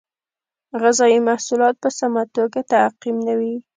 غذایي محصولات په سمه توګه تعقیم نه وي.